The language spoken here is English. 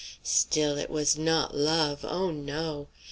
Still it was not love oh, no!